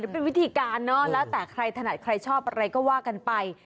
เป็นวิธีการเนอะแล้วแต่ใครถนัดใครชอบอะไรก็ว่ากันไป